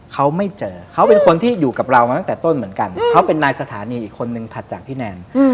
เขาไม่เจอเขาเป็นคนที่อยู่กับเรามาตั้งแต่ต้นเหมือนกันเขาเป็นนายสถานีอีกคนนึงถัดจากพี่แนน